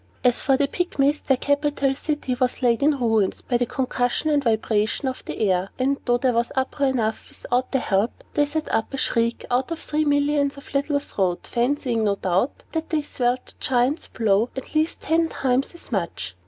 As for the Pygmies, their capital city was laid in ruins by the concussion and vibration of the air; and, though there was uproar enough without their help, they all set up a shriek out of three millions of little throats, fancying, no doubt, that they swelled the Giant's bellow by at least ten times as much.